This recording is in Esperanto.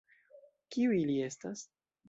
Kiuj ili estas?